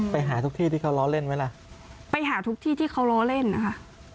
ไปหาทุกที่ที่เขาล้อเล่นไหมล่ะไปหาทุกที่ที่เขาล้อเล่นนะคะ